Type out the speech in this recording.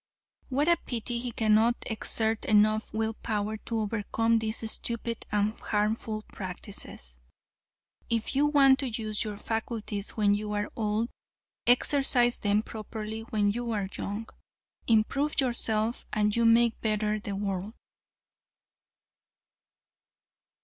What a pity he cannot exert enough will power to overcome these stupid and harmful practices. "If you want to use your faculties when you are old, exercise them properly when you are young. Improve yourself and you make better the world."